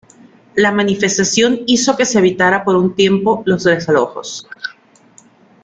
La manifestación hizo que se evitara por un tiempo los desalojos.